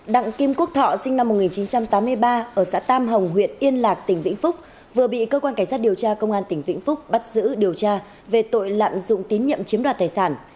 đặng kim quốc thọ sinh năm một nghìn chín trăm tám mươi ba ở xã tam hồng huyện yên lạc tỉnh vĩnh phúc vừa bị cơ quan cảnh sát điều tra công an tỉnh vĩnh phúc bắt giữ điều tra về tội lạm dụng tín nhiệm chiếm đoạt tài sản